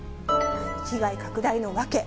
被害拡大の訳。